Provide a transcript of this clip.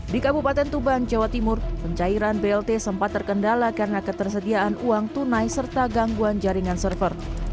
di kabupaten tuban jawa timur pencairan blt sempat terkendala karena ketersediaan uang tunai serta gangguan jaringan server